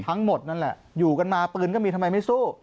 ทั้งหมดนั่นแหละอยู่กันมาปืนก็มีทำไมไม่สู้